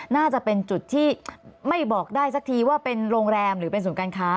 น่าจะเป็นจุดที่ไม่บอกได้สักทีว่าเป็นโรงแรมหรือเป็นศูนย์การค้า